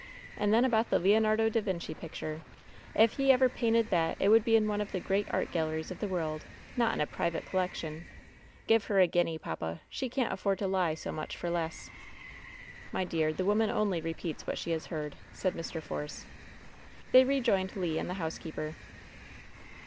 And then about the Leonardo da Vinci picture ! If he ever painted that it would be in one of the great art galleries of the world ! Not in a private collection I Give her a guinea, papa ! She can't afford to lie so much for less!" "My dear, the woman only repeats what she has heard,'' said Mr. Force. They rejoined Le and the housekeeper.